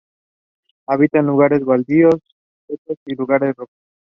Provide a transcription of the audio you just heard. Habita en lugares baldíos, setos y lugares rocosos.